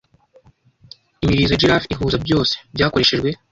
Imirizo ya Giraffe ihuza Byose byakoreshejwe